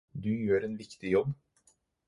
Du gjør en viktig jobb.